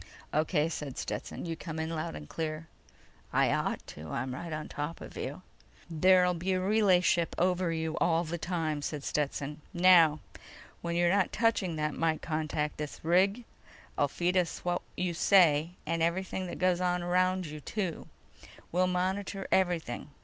"O.K.," said Stetson. "You come in loud and clear." "I ought to. I'm right on top of you!" "There'll be a relay ship over you all the time," said Stetson. "Now ... when you're not touching that mike contact this rig'll still feed us what you say ... and everything that goes on around you, too. We'll monitor everything.